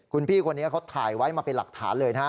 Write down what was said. คุณพี่คนนี้เขาถ่ายไว้มาเป็นหลักฐานเลยนะฮะ